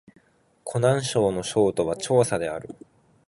湖南省の省都は長沙である